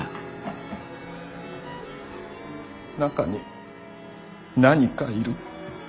中に何かいる。